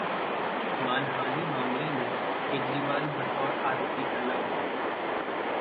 मानहानि मामले में केजरीवाल बतौर आरोपी तलब